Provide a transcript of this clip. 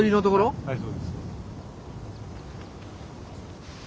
はいそうです。